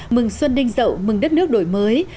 mừng xuân đinh dậu mừng đất nước đổi mới